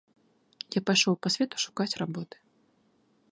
Я пайшоў па свету шукаць работы.